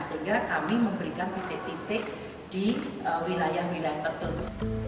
sehingga kami memberikan titik titik di wilayah wilayah tertentu